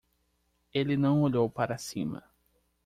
Ele não olhou para cima.